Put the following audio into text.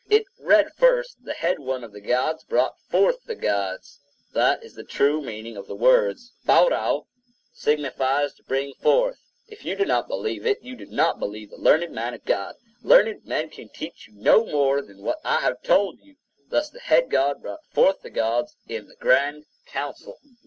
It read first, "The head one of the gods brought forth the gods." That is the true meaning of the words. Baurau signifies to bring forth. If you do not believe it, you do not believe the learned man of God. Learned men can teach you no more than what I have told you. Thus the head God brought forth the gods in the grand council.